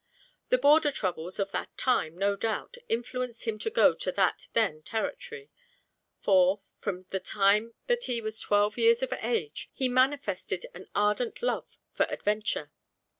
The border troubles of that time, no doubt, influenced him to go to that (then) territory; for, from the time that he was twelve years of age, he manifested an ardent love for adventure.